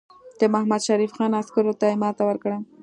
د محمدشریف خان عسکرو ته یې ماته ورکړه.